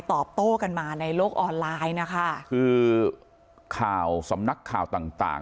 ตอบโต้กันมาในโลกออนไลน์นะคะคือข่าวสำนักข่าวต่างต่าง